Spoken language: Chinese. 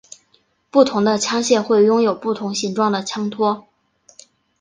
不同的枪械会拥有不同形状的枪托。